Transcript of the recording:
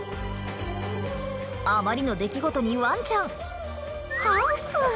あまりの出来事にワンちゃんハウス。